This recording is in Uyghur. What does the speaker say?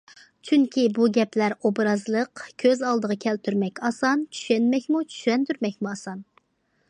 چۈنكى بۇ گەپلەر ئوبرازلىق، كۆز ئالدىغا كەلتۈرمەك ئاسان، چۈشەنمەكمۇ، چۈشەندۈرمەكمۇ ئاسان.